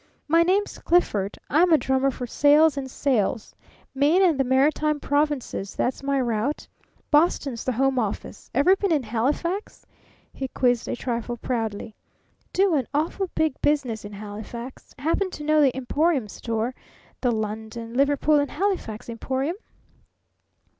My name's Clifford. I'm a drummer for Sayles & Sayles. Maine and the Maritime Provinces that's my route. Boston's the home office. Ever been in Halifax?" he quizzed a trifle proudly. "Do an awful big business in Halifax! Happen to know the Emporium store? The London, Liverpool, and Halifax Emporium?"